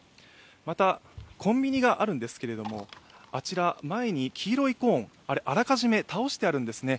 また、コンビニがあるんですけれども、あちら、前に黄色いコーンあれ、あらかじめ倒してあるんですね。